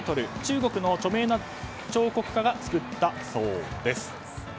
中国の著名な彫刻家が作ったそうです。